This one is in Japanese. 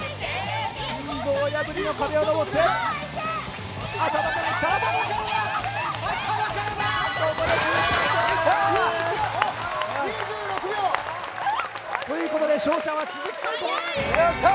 心臓破りの壁を登って。ということで勝者は鈴木さん。